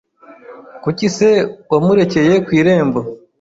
Kuki se wamurekeye ku irembo